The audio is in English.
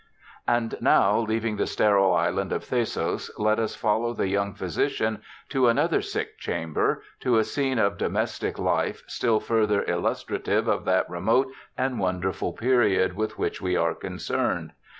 And now, leaving the sterile island of Thasos, let us follow the young physician to another sick chamber — to a scene of domestic life, still further illustrative of that remote and wonderful period, with which we are concerned.